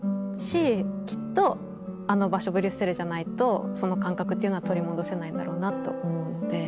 きっとあの場所ブリュッセルじゃないとその感覚っていうのは取り戻せないんだろうなと思うので。